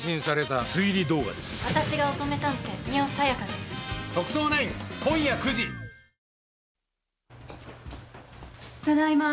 ただいま。